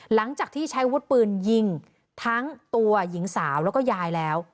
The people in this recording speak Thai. หลังจากที่ใช้วุฒิปืนยิงทั้งตัวหญิงสาวแล้วก็ยายแล้ว